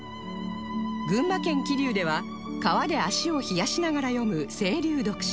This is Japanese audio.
群馬県桐生では川で足を冷やしながら読む清流読書